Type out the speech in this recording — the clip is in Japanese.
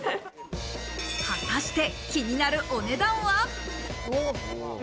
果たして気になるお値段は？